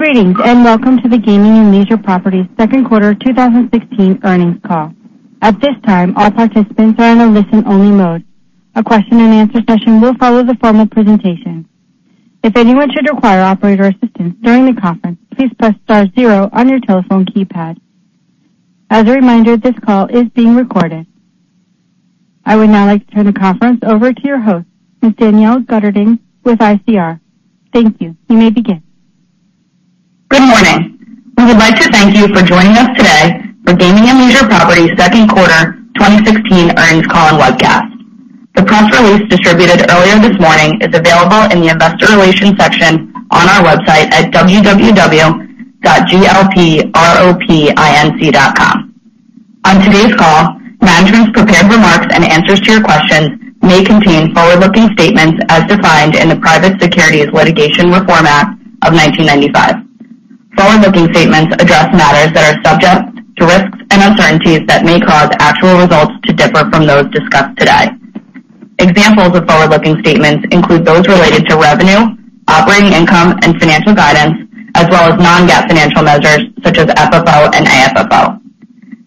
Greetings, welcome to the Gaming and Leisure Properties second quarter 2016 earnings call. At this time, all participants are in a listen-only mode. A question-and-answer session will follow the formal presentation. If anyone should require operator assistance during the conference, please press star zero on your telephone keypad. As a reminder, this call is being recorded. I would now like to turn the conference over to your host, Ms. Danielle Guterding with ICR. Thank you. You may begin. Good morning. We would like to thank you for joining us today for Gaming and Leisure Properties' second quarter 2016 earnings call and webcast. The press release distributed earlier this morning is available in the investor relations section on our website at www.glpropinc.com. On today's call, management's prepared remarks and answers to your questions may contain forward-looking statements as defined in the Private Securities Litigation Reform Act of 1995. Forward-looking statements address matters that are subject to risks and uncertainties that may cause actual results to differ from those discussed today. Examples of forward-looking statements include those related to revenue, operating income and financial guidance, as well as non-GAAP financial measures such as FFO and AFFO.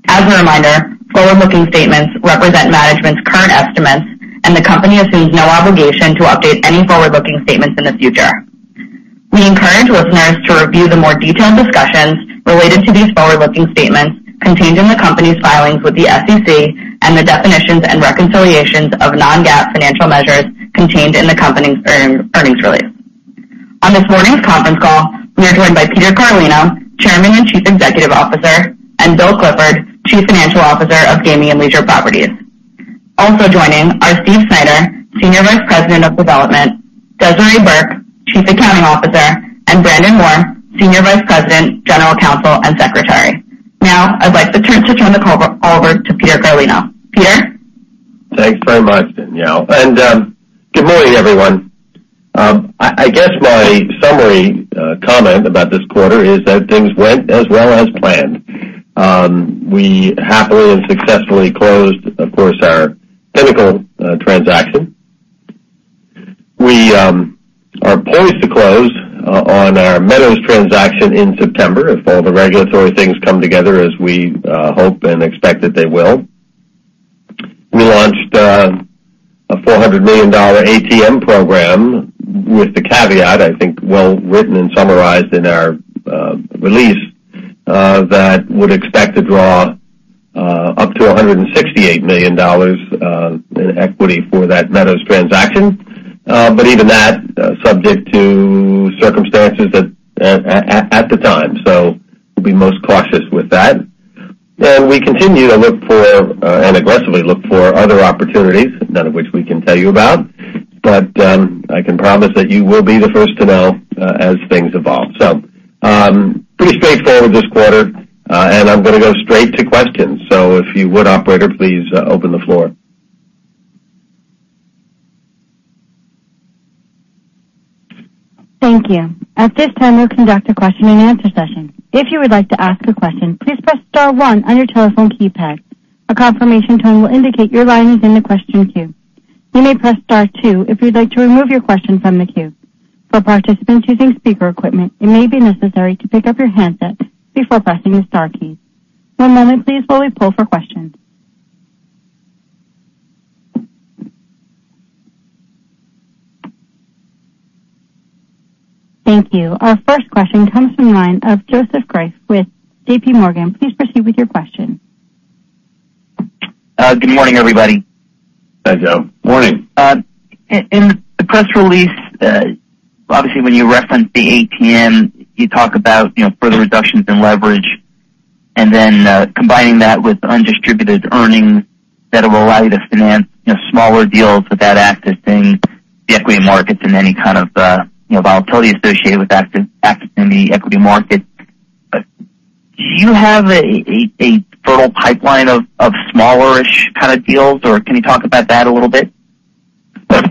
A reminder, forward-looking statements represent management's current estimates, and the company assumes no obligation to update any forward-looking statements in the future. We encourage listeners to review the more detailed discussions related to these forward-looking statements contained in the company's filings with the SEC and the definitions and reconciliations of non-GAAP financial measures contained in the company's earnings release. On this morning's conference call, we are joined by Peter Carlino, Chairman and Chief Executive Officer, and Bill Clifford, Chief Financial Officer of Gaming and Leisure Properties. Also joining are Steve Snyder, Senior Vice President of Development, Desiree Burke, Chief Accounting Officer, and Brandon Moore, Senior Vice President, General Counsel and Secretary. I'd like to turn the call over to Peter Carlino. Peter? Thanks very much, Danielle, good morning, everyone. I guess my summary comment about this quarter is that things went as well as planned. We happily and successfully closed, of course, our Pinnacle transaction. We are poised to close on our Meadows transaction in September if all the regulatory things come together as we hope and expect that they will. We launched a $400 million ATM program with the caveat, I think, well written and summarized in our release, that would expect to draw up to $168 million in equity for that Meadows transaction. Even that, subject to circumstances at the time. We'll be most cautious with that. We continue to look for, and aggressively look for, other opportunities, none of which we can tell you about. I can promise that you will be the first to know as things evolve. Pretty straightforward this quarter and I'm going to go straight to questions. If you would, operator, please open the floor. Thank you. At this time, we'll conduct a question and answer session. If you would like to ask a question, please press star one on your telephone keypad. A confirmation tone will indicate your line is in the question queue. You may press star two if you'd like to remove your question from the queue. For participants using speaker equipment, it may be necessary to pick up your handset before pressing the star keys. One moment please while we poll for questions. Thank you. Our first question comes from the line of Joseph Greff with J.P. Morgan. Please proceed with your question. Good morning, everybody. Hi, Joe. Morning. In the press release, obviously when you reference the ATM, you talk about further reductions in leverage and then combining that with undistributed earnings that will allow you to finance smaller deals without accessing the equity markets and any kind of volatility associated with accessing the equity market. Do you have a fertile pipeline of smaller-ish kind of deals, or can you talk about that a little bit? I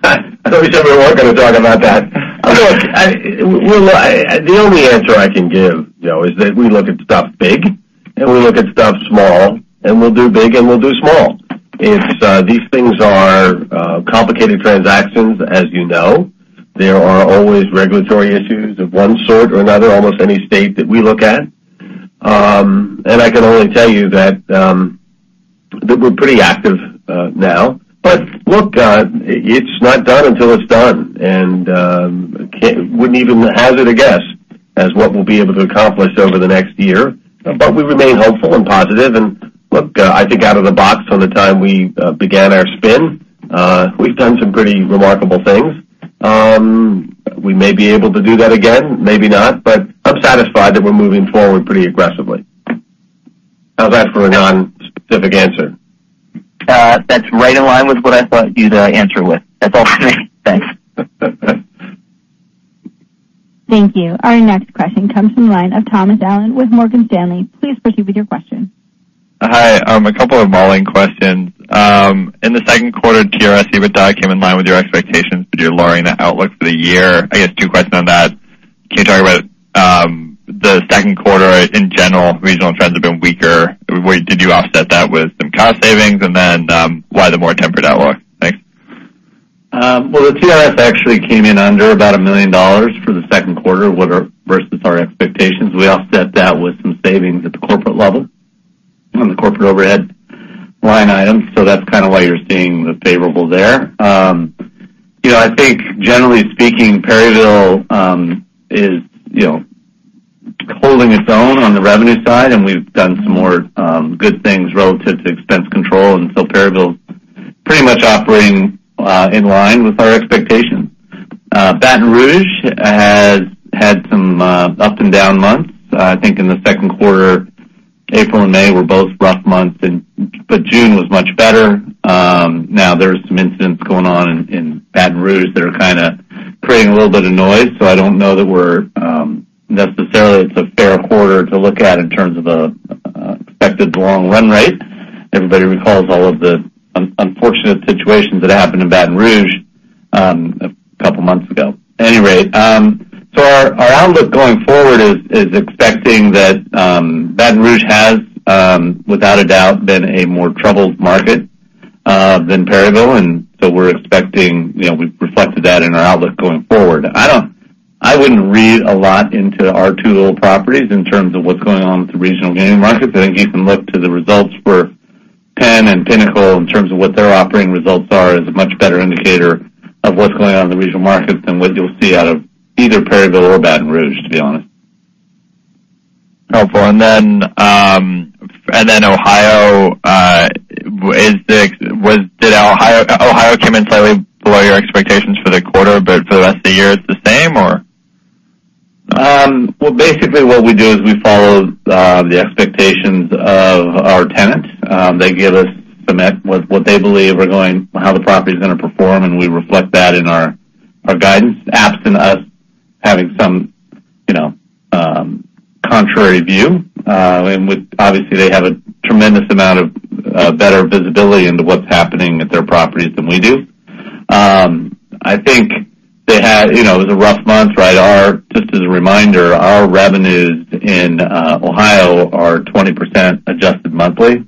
thought we said we weren't going to talk about that. The only answer I can give, Joe, is that we look at stuff big and we look at stuff small and we'll do big and we'll do small. These things are complicated transactions as you know. There are always regulatory issues of one sort or another almost any state that we look at. I can only tell you that we're pretty active now. It's not done until it's done and wouldn't even hazard a guess as what we'll be able to accomplish over the next year. We remain hopeful and positive and, I think out of the box from the time we began our spin, we've done some pretty remarkable things. We may be able to do that again, maybe not, but I'm satisfied that we're moving forward pretty aggressively. How's that for a non-specific answer? That's right in line with what I thought you'd answer with. That's all. Thanks. Thank you. Our next question comes from the line of Thomas Allen with Morgan Stanley. Please proceed with your question. Hi. A couple of modeling questions. In the second quarter, TRS EBITDA came in line with your expectations, but you're lowering the outlook for the year. I guess two questions on that. Can you talk about the second quarter in general, regional trends have been weaker. Did you offset that with some cost savings? Why the more tempered outlook? Thanks. Well, the TRS actually came in under about $1 million for the second quarter versus our expectations. We offset that with some savings at the corporate level on the corporate overhead line item. That's why you're seeing the favorable there. I think generally speaking, Perryville is holding its own on the revenue side, and so we've done some more good things relative to expense control, and so Perryville's pretty much operating in line with our expectations. Baton Rouge has had some up and down months. I think in the second quarter, April and May were both rough months, but June was much better. Now there are some incidents going on in Baton Rouge that are creating a little bit of noise. I don't know that necessarily it's a fair quarter to look at in terms of expected long run rate. Everybody recalls all of the unfortunate situations that happened in Baton Rouge a couple months ago. At any rate, so our outlook going forward is expecting that Baton Rouge has, without a doubt, been a more troubled market than Perryville, and so we've reflected that in our outlook going forward. I wouldn't read a lot into our two little properties in terms of what's going on with the regional gaming markets. I think you can look to the results for Penn and Pinnacle in terms of what their operating results are as a much better indicator of what's going on in the regional markets than what you'll see out of either Perryville or Baton Rouge, to be honest. Helpful. Ohio came in slightly below your expectations for the quarter, but for the rest of the year it's the same, or? Well, basically what we do is we follow the expectations of our tenants. They give us what they believe how the property's going to perform, we reflect that in our guidance, absent us having some contrary view. Obviously, they have a tremendous amount of better visibility into what's happening at their properties than we do. I think it was a rough month, right? Just as a reminder, our revenues in Ohio are 20% adjusted monthly.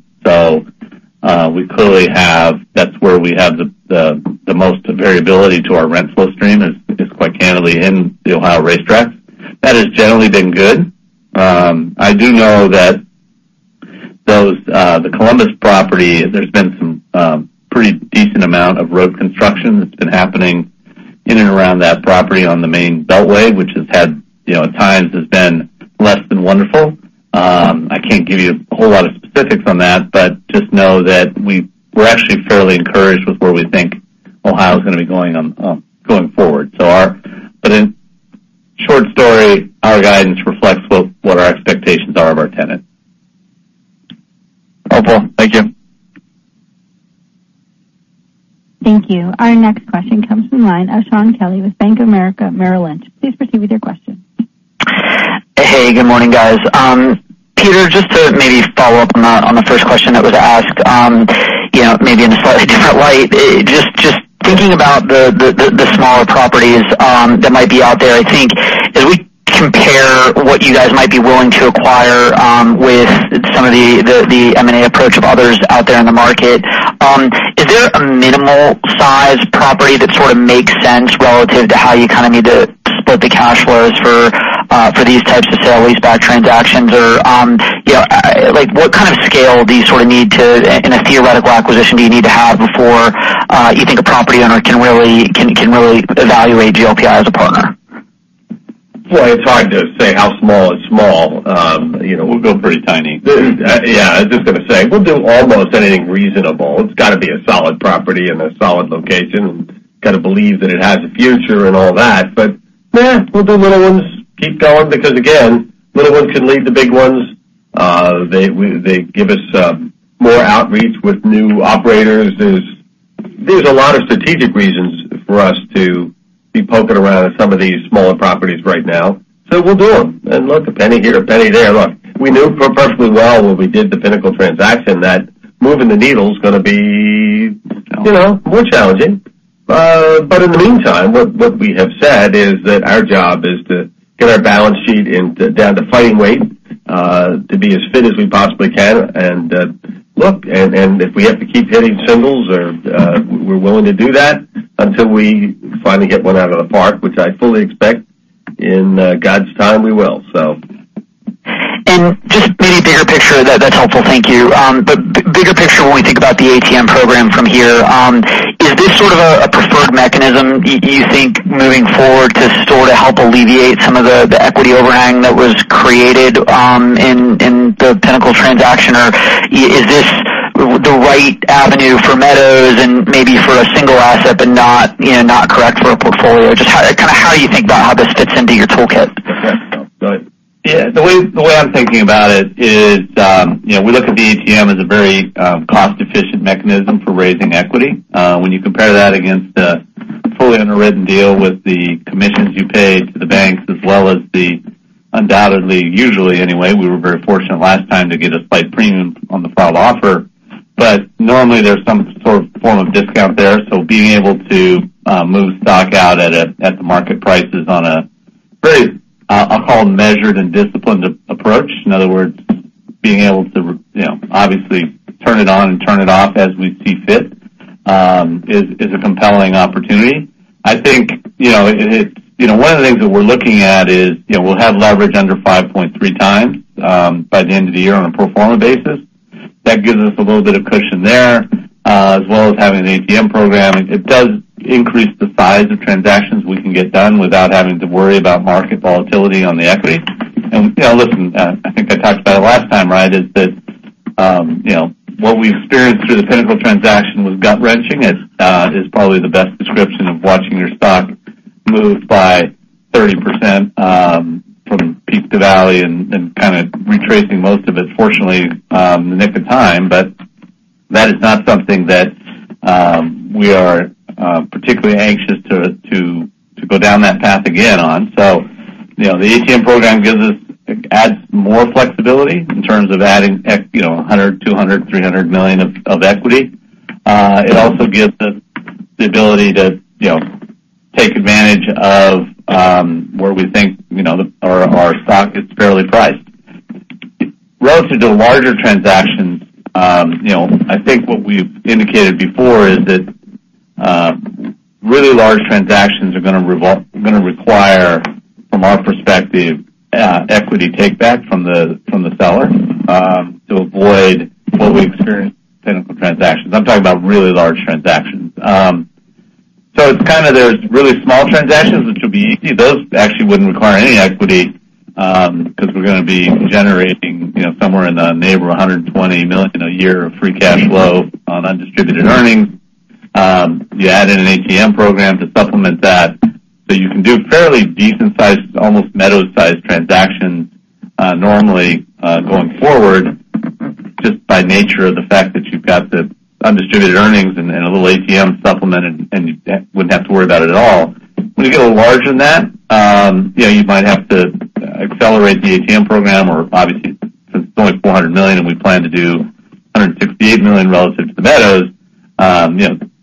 That's where we have the most variability to our rent flow stream is, quite candidly, in the Ohio racetrack. That has generally been good. I do know that the Columbus property, there's been some pretty decent amount of road construction that's been happening in and around that property on the main beltway, which at times has been less than wonderful. I can't give you a whole lot of specifics on that, just know that we're actually fairly encouraged with where we think Ohio's going to be going forward. In short story, our guidance reflects what our expectations are of our tenant. Helpful. Thank you. Thank you. Our next question comes from the line of Shaun Kelley with Bank of America Merrill Lynch. Please proceed with your question. Hey, good morning, guys. Peter, to maybe follow up on the first question that was asked maybe in a slightly different light. Thinking about the smaller properties that might be out there. I think as we compare what you guys might be willing to acquire with some of the M&A approach of others out there in the market, is there a minimal size property that sort of makes sense relative to how you need to split the cash flows for these types of sale-leaseback transactions? What kind of scale, in a theoretical acquisition, do you need to have before you think a property owner can really evaluate GLPI as a partner? Boy, it's hard to say how small is small. We'll go pretty tiny. I was just going to say, we'll do almost anything reasonable. It's got to be a solid property in a solid location, and believe that it has a future and all that. Yeah, we'll do little ones, keep going, because again, little ones can lead to big ones. They give us more outreach with new operators. There's a lot of strategic reasons for us to be poking around in some of these smaller properties right now. We'll do them. Look, a penny here, a penny there. Look, we knew perfectly well when we did the Pinnacle transaction that moving the needle's going to be more challenging. In the meantime, what we have said is that our job is to get our balance sheet down to fighting weight, to be as fit as we possibly can. Look, and if we have to keep hitting singles, we're willing to do that until we finally hit one out of the park, which I fully expect in God's time we will, so That's helpful. Thank you. Bigger picture, when we think about the ATM program from here, is this sort of a preferred mechanism, you think, moving forward to help alleviate some of the equity overhang that was created in the Pinnacle transaction? Or is this the right avenue for Meadows and maybe for a single asset, but not correct for a portfolio? Just how you think about how this fits into your toolkit. Go ahead. The way I'm thinking about it is we look at the ATM as a very cost-efficient mechanism for raising equity. When you compare that against a fully underwritten deal with the commissions you pay to the banks as well as the undoubtedly, usually anyway, we were very fortunate last time to get a slight premium on the filed offer. Normally there's some sort of form of discount there. Being able to move stock out at the market prices on a very, I'll call it measured and disciplined approach. In other words, being able to obviously turn it on and turn it off as we see fit, is a compelling opportunity. I think one of the things that we're looking at is, we'll have leverage under 5.3 times by the end of the year on a pro forma basis. That gives us a little bit of cushion there, as well as having the ATM program. It does increase the size of transactions we can get done without having to worry about market volatility on the equity. Listen, I think I talked about it last time, right? Is that what we experienced through the Pinnacle transaction was gut-wrenching, is probably the best description of watching your stock move by 30% from peak to valley and kind of retracing most of it, fortunately, in the nick of time. That is not something that we are particularly anxious to go down that path again on. The ATM program adds more flexibility in terms of adding $100 million, $200 million, $300 million of equity. It also gives us the ability to take advantage of where we think our stock is fairly priced. Relative to larger transactions, I think what we've indicated before is that really large transactions are going to require, from our perspective, equity take back from the seller, to avoid what we experienced in Pinnacle transactions. I'm talking about really large transactions. There's really small transactions, which would be easy. Those actually wouldn't require any equity, because we're going to be generating somewhere in the neighborhood of $120 million a year of free cash flow on undistributed earnings. You add in an ATM program to supplement that, so you can do fairly decent sized, almost Meadows sized transactions, normally, going forward, just by nature of the fact that you've got the undistributed earnings and a little ATM supplement and wouldn't have to worry about it at all. When you go larger than that you might have to accelerate the ATM program, or obviously, since it's only $400 million and we plan to do $168 million relative to the Meadows,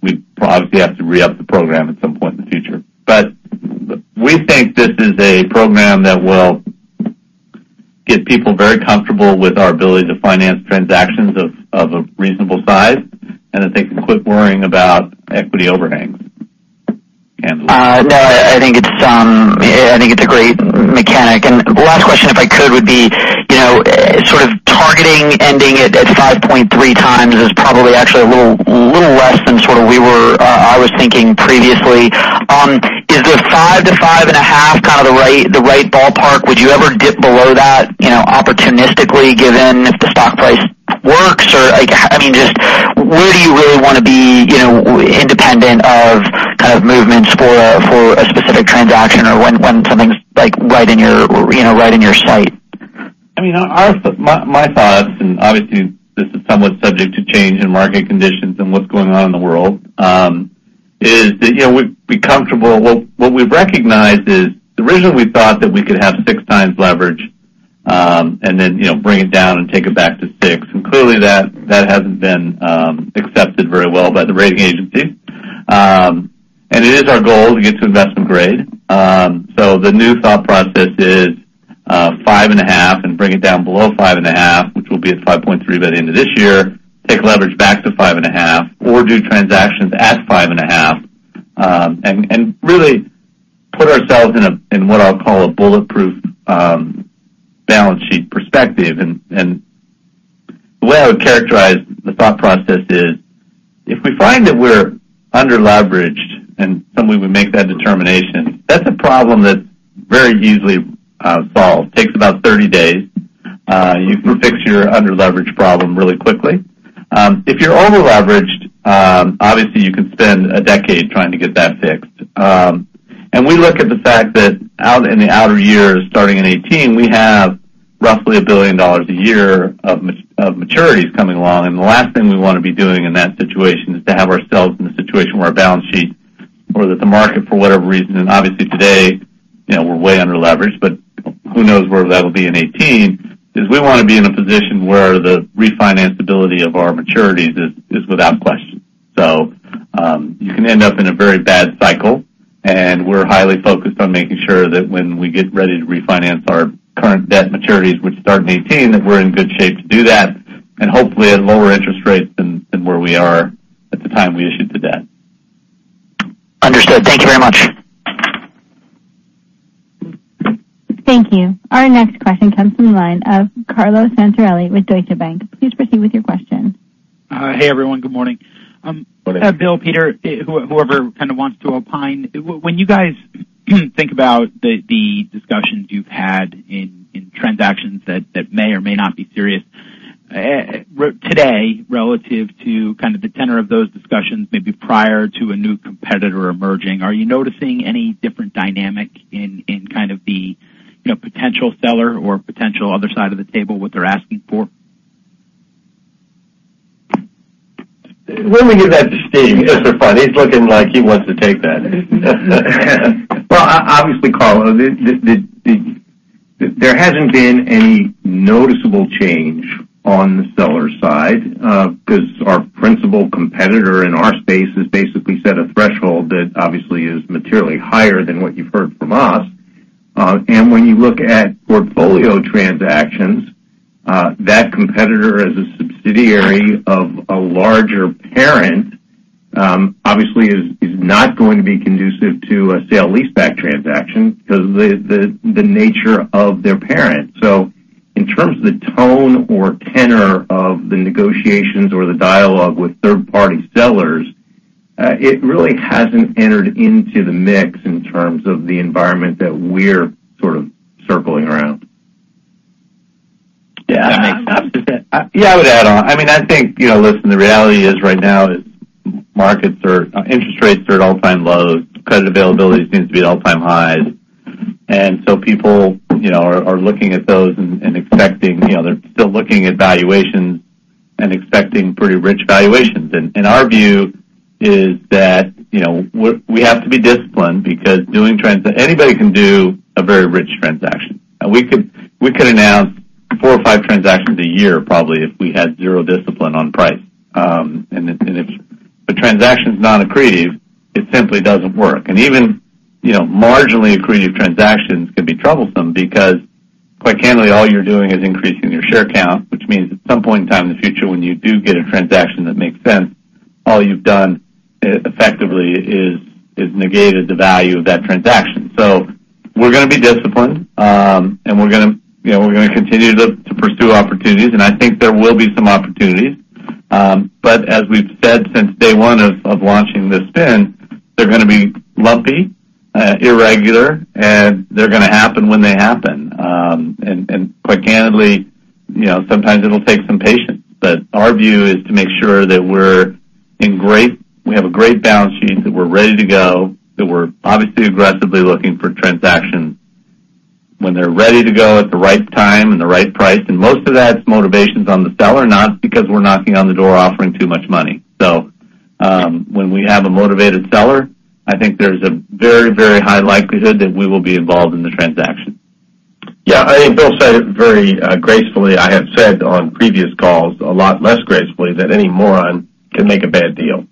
we'd probably have to re-up the program at some point in the future. We think this is a program that will get people very comfortable with our ability to finance transactions of a reasonable size, and I think can quit worrying about equity overhangs. Andrew? I think it's a great mechanic. Last question, if I could, would be, sort of targeting ending it at 5.3 times is probably actually a little less than I was thinking previously. Is the five to five and a half kind of the right ballpark? Would you ever dip below that opportunistically, given if the stock price works? Where do you really want to be independent of movements for a specific transaction, or when something's right in your sight? My thoughts, obviously this is somewhat subject to change in market conditions and what's going on in the world, is that we'd be comfortable. What we've recognized is, the reason we thought that we could have six times leverage, then bring it down and take it back to six. Clearly that hasn't been accepted very well by the rating agency. It is our goal to get to investment grade. The new thought process is, five and a half and bring it down below five and a half, which will be at 5.3 by the end of this year. Take leverage back to five and a half or do transactions at five and a half. Really put ourselves in what I'll call a bulletproof balance sheet perspective. The way I would characterize the thought process is, if we find that we're under-leveraged and some way we make that determination, that's a problem that's very easily solved. Takes about 30 days. You can fix your under-leverage problem really quickly. If you're over-leveraged, obviously you could spend a decade trying to get that fixed. We look at the fact that out in the outer years, starting in 2018, we have roughly $1 billion a year of maturities coming along. The last thing we want to be doing in that situation is to have ourselves in a situation where our balance sheet or that the market, for whatever reason, and obviously today, we're way under-leveraged, but who knows where that'll be in 2018, is we want to be in a position where the refinance ability of our maturities is without question. You can end up in a very bad cycle, and we're highly focused on making sure that when we get ready to refinance our current debt maturities, which start in 2018, that we're in good shape to do that, and hopefully at lower interest rates than where we are at the time we issued the debt. Understood. Thank you very much. Thank you. Our next question comes from the line of Carlo Santarelli with Deutsche Bank. Please proceed with your question. Hey, everyone. Good morning. Good morning. Bill, Peter, whoever wants to opine. When you guys think about the discussions you've had in transactions that may or may not be serious, today, relative to kind of the tenor of those discussions, maybe prior to a new competitor emerging, are you noticing any different dynamic in kind of the potential seller or potential other side of the table, what they're asking for? Why don't we give that to Steve just for fun? He's looking like he wants to take that. Well, obviously, Carlo, there hasn't been any noticeable change on the seller side because our principal competitor in our space has basically set a threshold that obviously is materially higher than what you've heard from us. When you look at portfolio transactions, that competitor as a subsidiary of a larger parent, obviously is not going to be conducive to a sale-leaseback transaction because the nature of their parent. In terms of the tone or tenor of the negotiations or the dialogue with third-party sellers, it really hasn't entered into the mix in terms of the environment that we're sort of circling around. Yeah, that makes sense. Yeah, I would add on. I think, listen, the reality is right now is interest rates are at all-time lows. Credit availability seems to be at all-time highs. People are looking at those and they're still looking at valuations and expecting pretty rich valuations. Our view is that, we have to be disciplined because anybody can do a very rich transaction. We could announce 4 or 5 transactions a year, probably, if we had zero discipline on price. If the transaction's non-accretive, it simply doesn't work. Even marginally accretive transactions can be troublesome because, quite candidly, all you're doing is increasing your share count, which means at some point in time in the future, when you do get a transaction that makes sense, all you've done effectively is negated the value of that transaction. We're going to be disciplined, and we're going to continue to pursue opportunities, and I think there will be some opportunities. As we've said since day one of launching this spin, they're going to be lumpy, irregular, and they're going to happen when they happen. Quite candidly, sometimes it'll take some patience. Our view is to make sure that we have a great balance sheet, that we're ready to go, that we're obviously aggressively looking for transactions when they're ready to go at the right time and the right price. Most of that motivation's on the seller, not because we're knocking on the door offering too much money. When we have a motivated seller, I think there's a very high likelihood that we will be involved in the transaction. Yeah. I think Bill said it very gracefully. I have said on previous calls, a lot less gracefully, that any moron can make a bad deal.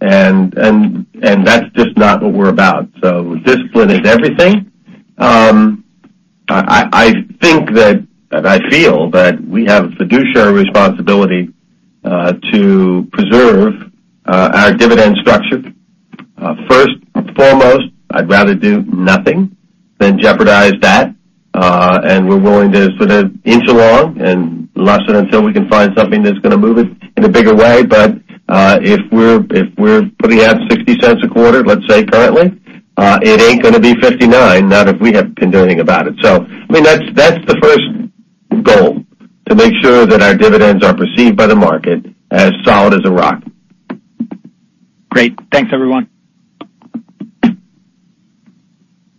That's just not what we're about. Discipline is everything. I think that, I feel that we have a fiduciary responsibility to preserve our dividend structure. First and foremost, I'd rather do nothing than jeopardize that. We're willing to sort of inch along and less than until we can find something that's going to move it in a bigger way. If we're putting out $0.60 a quarter, let's say currently, it ain't going to be $0.59, not if we have anything about it. That's the first goal, to make sure that our dividends are perceived by the market as solid as a rock. Great. Thanks, everyone.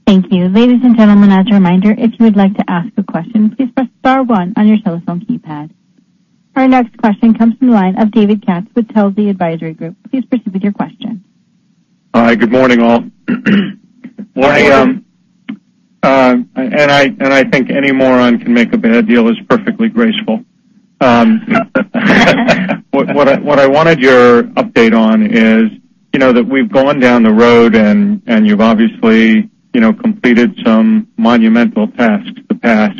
Thank you. Ladies and gentlemen, as a reminder, if you would like to ask a question, please press star one on your telephone keypad. Our next question comes from the line of David Katz with Telsey Advisory Group. Please proceed with your question. Hi. Good morning, all. Good morning. I think any moron can make a bad deal is perfectly graceful. What I wanted your update on is that we've gone down the road, and you've obviously completed some monumental tasks the past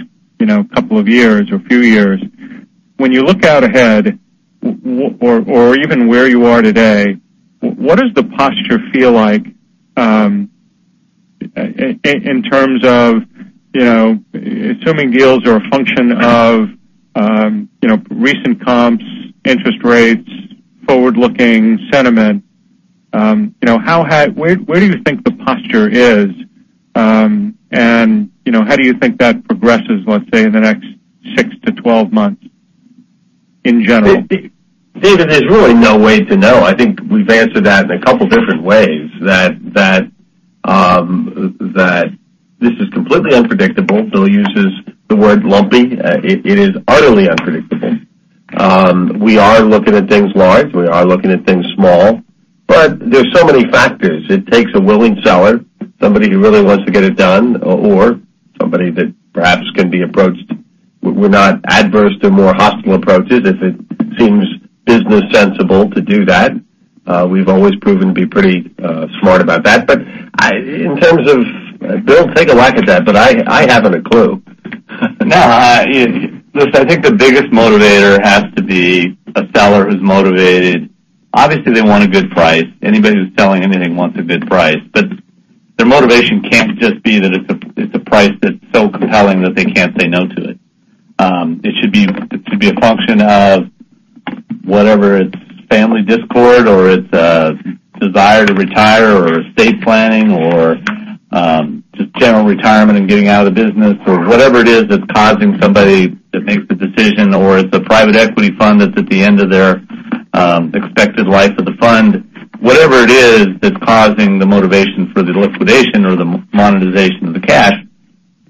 couple of years or few years. When you look out ahead or even where you are today, what does the posture feel like in terms of assuming deals are a function of recent comps, interest rates, forward-looking sentiment, where do you think the posture is and how do you think that progresses, let's say, in the next 6-12 months in general? David, there's really no way to know. I think we've answered that in a couple different ways, that this is completely unpredictable. Bill uses the word lumpy. It is utterly unpredictable. We are looking at things large. We are looking at things small, but there's so many factors. It takes a willing seller, somebody who really wants to get it done or somebody that perhaps can be approached. We're not adverse to more hostile approaches if it seems business sensible to do that. We've always proven to be pretty smart about that. Bill, take a whack at that, but I haven't a clue. Listen, I think the biggest motivator has to be a seller who's motivated. Obviously, they want a good price. Anybody who's selling anything wants a good price, but their motivation can't just be that it's a price that's so compelling that they can't say no to it. It should be a function of whatever, it's family discord or it's a desire to retire or estate planning or just general retirement and getting out of the business or whatever it is that's causing somebody to make the decision, or it's a private equity fund that's at the end of their expected life of the fund. Whatever it is that's causing the motivation for the liquidation or the monetization of the cash.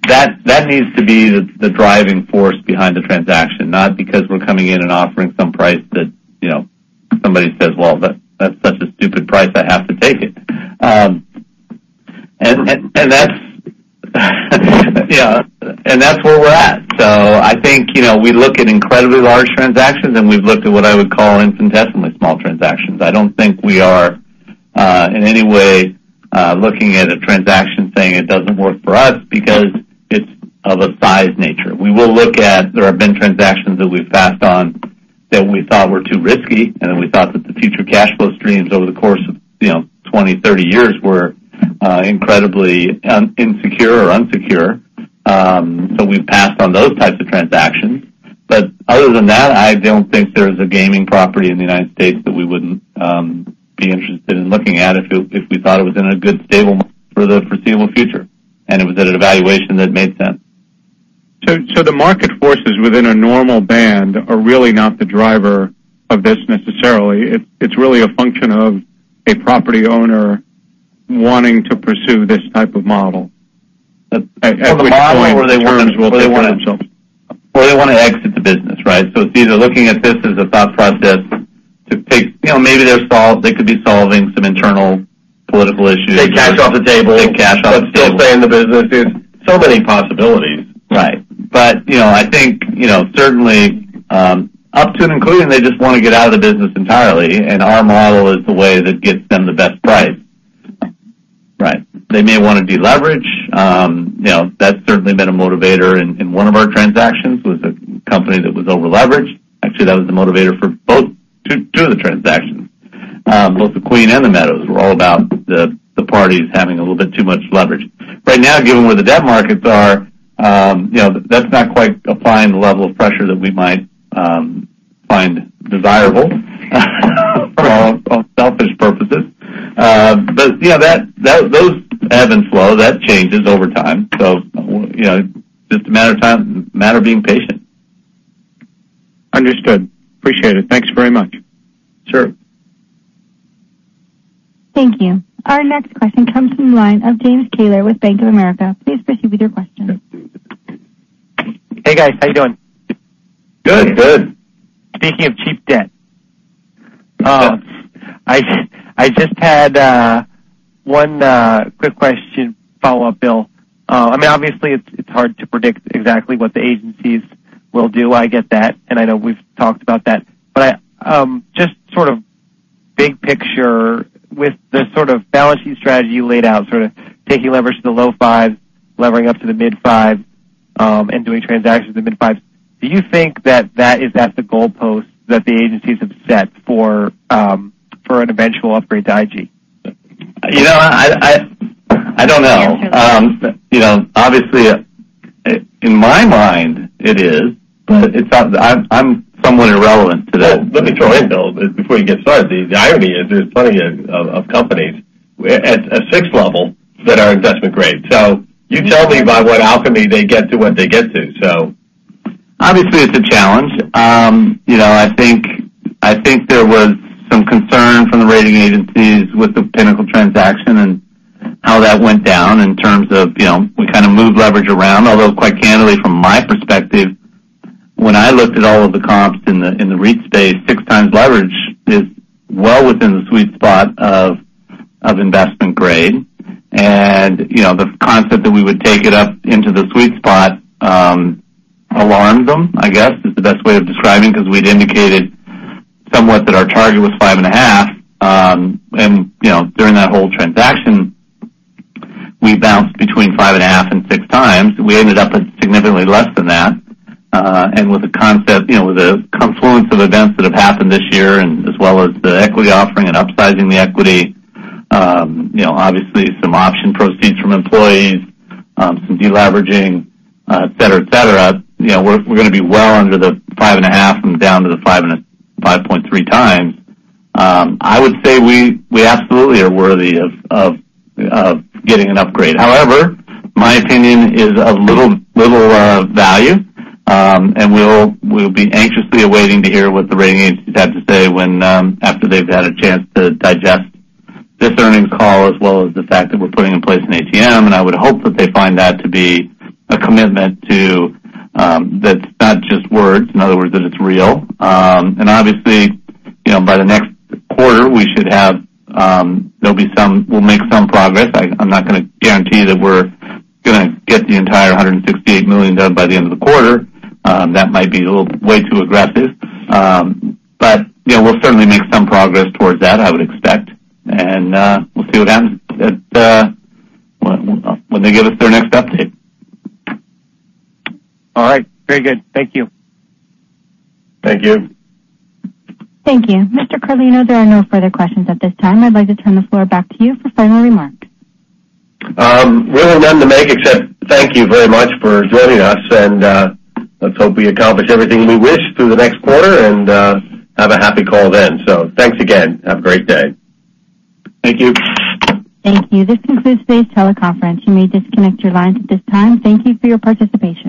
That needs to be the driving force behind the transaction, not because we're coming in and offering some price that somebody says, "Well, that's such a stupid price, I have to take it." That's where we're at. I think we look at incredibly large transactions, and we've looked at what I would call infinitesimally small transactions. I don't think we are, in any way, looking at a transaction saying it doesn't work for us because it's of a size nature. There have been transactions that we've passed on that we thought were too risky, and that we thought that the future cash flow streams over the course of 20, 30 years were incredibly insecure or unsecure. We've passed on those types of transactions. Other than that, I don't think there's a gaming property in the U.S. that we wouldn't be interested in looking at if we thought it was in a good, stable for the foreseeable future, and it was at a valuation that made sense. The market forces within a normal band are really not the driver of this necessarily. It's really a function of a property owner wanting to pursue this type of model at which point terms will dictate themselves. They want to exit the business, right? It's either looking at this as a thought process maybe they could be solving some internal political issues. Take cash off the table. Take cash off the table. Still stay in the business. Many possibilities. Right. I think certainly, up to and including, they just want to get out of the business entirely, and our model is the way that gets them the best price. Right. They may want to deleverage. That's certainly been a motivator in one of our transactions, was a company that was over-leveraged. Actually, that was the motivator for two of the transactions. Both the Casino Queen and The Meadows were all about the parties having a little bit too much leverage. Right now, given where the debt markets are, that's not quite applying the level of pressure that we might find desirable for our own selfish purposes. Those ebb and flow. That changes over time. Just a matter of time, matter of being patient. Understood. Appreciate it. Thanks very much. Sure. Thank you. Our next question comes from the line of James Taylor with Bank of America. Please proceed with your question. Hey, guys. How you doing? Good. Good. Speaking of cheap debt. I just had one quick question follow-up, Bill. Obviously, it's hard to predict exactly what the agencies will do, I get that, and I know we've talked about that. Just sort of big picture with the sort of balance sheet strategy you laid out, sort of taking leverage to the low fives, levering up to the mid fives, and doing transactions in the mid fives. Do you think that that is at the goal post that the agencies have set for an eventual upgrade to IG? I don't know. Obviously, in my mind, it is, but I'm somewhat irrelevant to that. Let me chime in, Bill, before you get started. The irony is there's plenty of companies at a 6 level that are investment grade. You tell me by what alchemy they get to what they get to. Obviously, it's a challenge. I think there was some concern from the rating agencies with the Pinnacle transaction and how that went down in terms of, we kind of moved leverage around. Although quite candidly, from my perspective, when I looked at all of the comps in the REIT space, six times leverage is well within the sweet spot of investment grade. The concept that we would take it up into the sweet spot alarms them, I guess, is the best way of describing, because we'd indicated somewhat that our target was five and a half. During that whole transaction, we bounced between five and a half and six times. We ended up at significantly less than that. With the confluence of events that have happened this year as well as the equity offering and upsizing the equity. Obviously, some option proceeds from employees, some deleveraging, et cetera. We're going to be well under the five and a half and down to the 5.3 times. I would say we absolutely are worthy of getting an upgrade. However, my opinion is of little value. We'll be anxiously awaiting to hear what the rating agencies have to say after they've had a chance to digest this earnings call, as well as the fact that we're putting in place an ATM, and I would hope that they find that to be a commitment that's not just words. In other words, that it's real. Obviously, by the next quarter, we'll make some progress. I'm not going to guarantee that we're going to get the entire $168 million done by the end of the quarter. That might be way too aggressive. We'll certainly make some progress towards that, I would expect. We'll see what happens when they give us their next update. All right. Very good. Thank you. Thank you. Thank you. Mr. Carlino, there are no further questions at this time. I'd like to turn the floor back to you for final remarks. Really none to make except thank you very much for joining us. Let's hope we accomplish everything we wish through the next quarter and have a happy call then. Thanks again. Have a great day. Thank you. Thank you. This concludes today's teleconference. You may disconnect your lines at this time. Thank you for your participation.